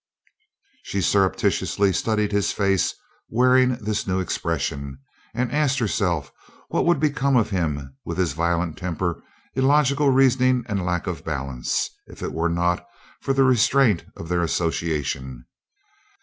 She surreptitiously studied his face wearing this new expression, and asked herself what would become of him with his violent temper, illogical reasoning and lack of balance, if it were not for the restraint of their association?